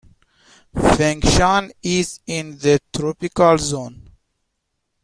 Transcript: Fengshan is in the tropical zone.